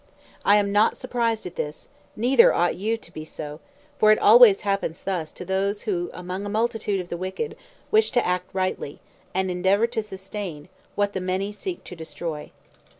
I am not surprised at this, neither ought you to be so, for it always happens thus to those who among a multitude of the wicked, wish to act rightly, and endeavor to sustain, what the many seek to destroy.